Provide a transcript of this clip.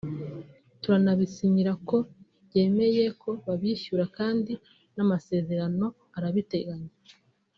turanabisinyira ko mbyemeye ko babishyura kandi n’amasezerano arabiteganya